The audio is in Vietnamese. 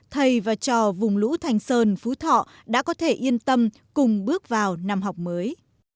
thầy và trò vùng lũ thanh sơn phú thọ đã có thể yên tâm cùng bước vào năm học mới